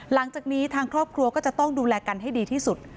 หลังจากนี้ทางครอบครัวก็จะต้องดูแลกันให้ดีที่สุด